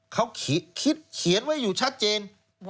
เขาเขียนไว้อยู่ชัดเจน